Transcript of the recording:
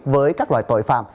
với các loại tội phạm